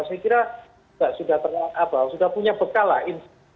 saya kira sudah punya bekal lah